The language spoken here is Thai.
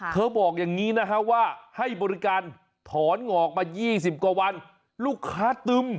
บอกอย่างนี้นะฮะว่าให้บริการถอนงอกมา๒๐กว่าวันลูกค้าตึม